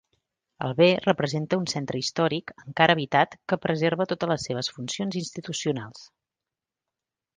El bé representa un centre històric encara habitat que preserva totes les seves funcions institucionals.